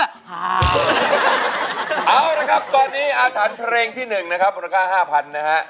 เอาละครับตอนนี้อาถรรพ์เพลงที่๑นะครับมูลค่า๕๐๐นะฮะ